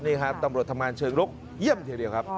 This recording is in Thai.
นี่ครับตำรวจทำงานเชิงลุกเยี่ยมทีเดียวครับ